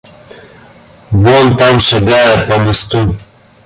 Вон там шагает по мосту...